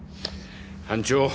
班長。